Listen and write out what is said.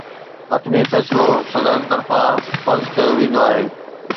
حتمي فيصلو صدرن طرفان فرض ڪيو ويندو آهي